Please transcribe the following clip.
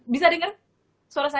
bisa denger suara saya